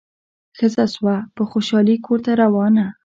ښځه سوه په خوشالي کورته روانه